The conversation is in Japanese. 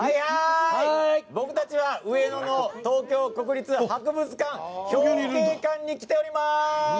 僕たちは、上野の東京国立博物館、表慶館に来ております。